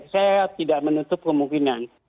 saya tidak menutup kemungkinan